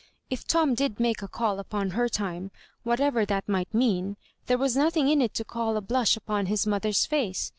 If Tom did make a call upon her tune, whatever that might mean, there was nothing in it to call a blush upon his mother's face.